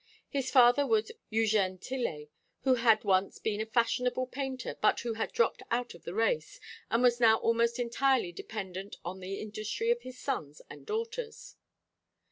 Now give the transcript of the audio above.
His father was Eugène Tillet, who had once been a fashionable painter, but who had dropped out of the race, and was now almost entirely dependent on the industry of his sons and daughters.